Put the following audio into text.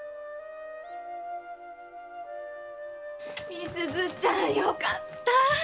美鈴ちゃんよかった！